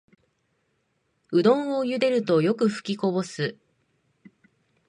うどんをゆでるとよくふきこぼす